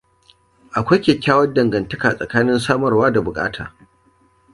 Akwai kyakkyawar dangantaka tsakanin samarwa da bukata.